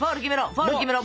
フォール決めろ！